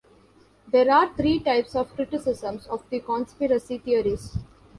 There are three types of criticisms of the conspiracy theories.